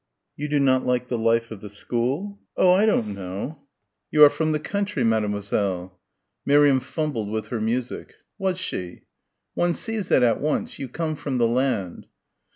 "You do not like the life of the school?" "Oh, I don't know." "You are from the country, mademoiselle." Miriam fumbled with her music.... Was she? "One sees that at once. You come from the land."